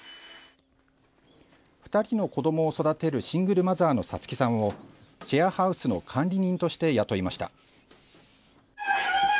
２人の子どもを育てるシングルマザーのさつきさんをシェアハウスの管理人として雇いました。